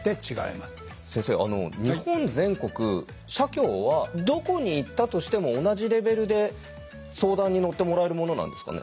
先生日本全国社協はどこに行ったとしても同じレベルで相談に乗ってもらえるものなんですかね？